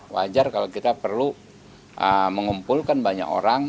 wajar kalau kita perlu mengumpulkan banyak orang